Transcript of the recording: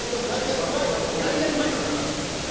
ガリガリ前がこれなんですよ。